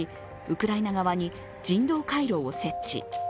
ウクライナ側に人道回廊を設置。